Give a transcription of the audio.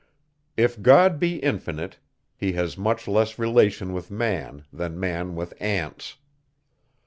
If God be infinite, he has much less relation with man, than man with ants.